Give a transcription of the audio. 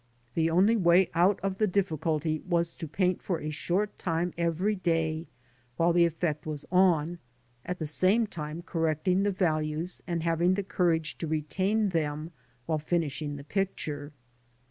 The only way out of the difficulty was to paint for a short time every day while the effect was on, at the same time correcting the values and having the courage to retain them while finishing the picture.